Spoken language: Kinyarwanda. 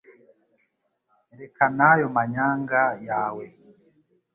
reka na nayo manyanga yawe.